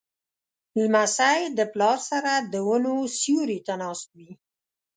لمسی د پلار سره د ونو سیوري ته ناست وي.